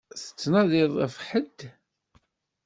Tettnadiḍ ɣef ḥedd?